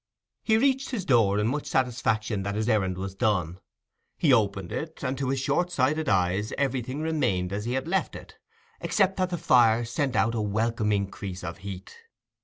He reached his door in much satisfaction that his errand was done: he opened it, and to his short sighted eyes everything remained as he had left it, except that the fire sent out a welcome increase of heat.